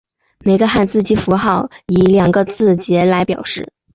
每个汉字及符号以两个字节来表示。